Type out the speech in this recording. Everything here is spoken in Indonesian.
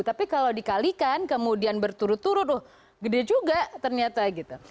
tapi kalau dikalikan kemudian berturut turut gede juga ternyata gitu